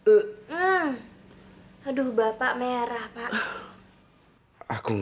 aduh anjing punktu anjing